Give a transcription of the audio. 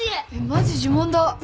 マジ呪文だ。